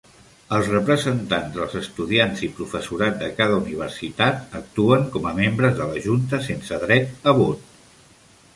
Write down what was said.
Els representants dels estudiants i professorat de cada universitat actuen com a membres de la junta sense dret a vot.